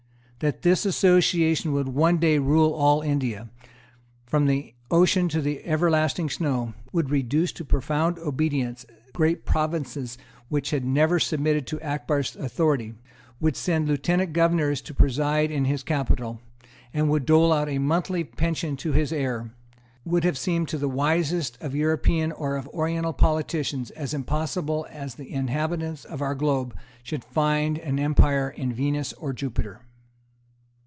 That this association would one day rule all India, from the ocean to the everlasting snow, would reduce to profound obedience great provinces which had never submitted to Akbar's authority, would send Lieutenant Governors to preside in his capital, and would dole out a monthly pension to his heir, would have seemed to the wisest of European or of Oriental politicians as impossible as that inhabitants of our globe should found an empire in Venus or Jupiter.